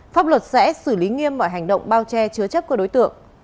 pháp luật sẽ xử lý nghiêm mọi hành động bao che chứa chấp của đối tượng